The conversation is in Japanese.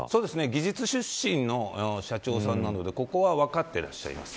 技術出身の社長さんなのでここは分かってらっしゃいます。